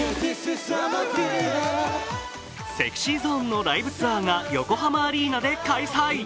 ＳｅｘｙＺｏｎｅのライブツアーが横浜アリーナで開催。